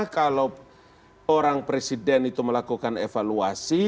kalau orang presiden itu melakukan evaluasi